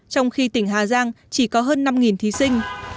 trong khi tỉnh hà giang chỉ có hơn năm thí sinh